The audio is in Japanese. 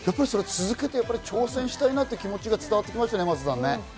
続けて挑戦したいなという気持ちが伝わってきましたね。